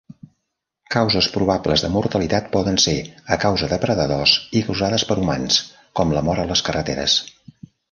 Causes probables de mortalitat poder ser a causa de predadors i causades per humans, com la mort a les carreteres.